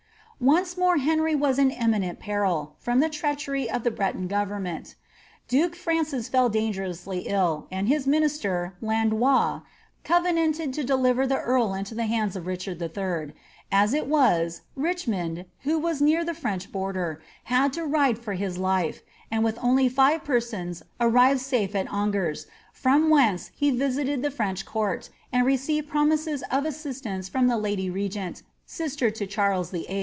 Once more Henry was in imminent peril, from Uie treachery of the Breton government. Duke Francis fell dangerously ill, and his minister, Landois, covenanted to deliver the earl into the hands of Richard III. ; as it was, Richmond, who was near the French border, had to ride for his life, and with only Bve persons arrived safe at Angers, from whence he visited the French court, and received promises of assistance firom the lady rmnt, sister to Charles VIII.